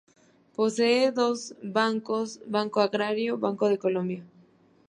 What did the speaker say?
Posee dos bancos: Banco Agrario, Banco de Colombia.